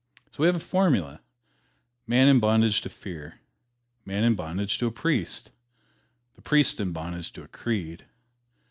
So we have the formula: Man in bondage to fear. Man in bondage to a priest. The priest in bondage to a creed.